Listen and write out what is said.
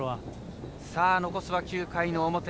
残すは９回の表。